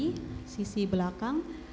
kemudian di sisi belakang